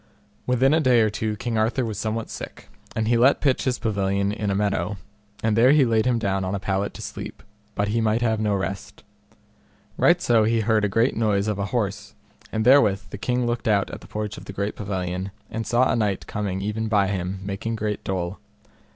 Within a day or two King Arthur was somewhat sick, and he let pitch his pavilion in a meadow, and there he laid him down on a pallet to sleep, but he might have no rest. Right so he heard a great noise of an horse, and therewith the king looked out at the porch of the pavilion, and saw a knight coming even by him, making great dole.